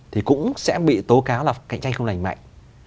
thì cũng sẽ bị tố cáo là cạnh tranh không lành mạnh